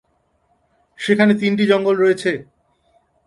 সেখানে তিনটি জঙ্গল রয়েছে।